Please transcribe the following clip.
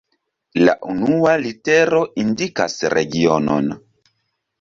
La unua litero indikas regionon.